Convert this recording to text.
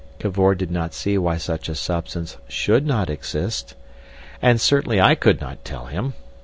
Cavor did not see why such a substance should not exist, and certainly I could not tell him.